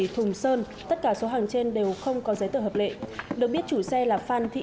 bảy thùng sơn tất cả số hàng trên đều không có giấy tờ hợp lệ được biết chủ xe là phan thị